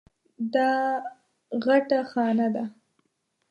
دا غټه خانه ده.